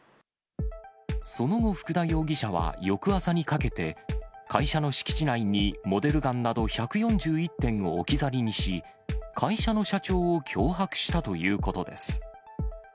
その後、福田容疑者は翌朝にかけて、会社の敷地内にモデルガンなど１４１点を置き去りにし、会社の社長を脅迫したということです。